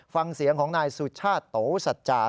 ฟังเสียงของนายสุชาติโตสัจจา